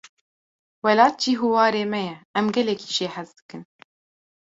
Welat cih û ware me ye, em gelekî jê hez dikin.